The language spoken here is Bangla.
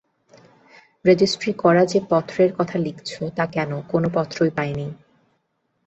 রেজেষ্ট্রি-করা যে পত্রের কথা লিখেছ, তা কেন, কোন পত্রই পাইনি।